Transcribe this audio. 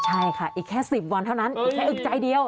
ใช่ค่ะอีกแค่๑๐วันเท่านั้นอีกแค่อึกใจเดียว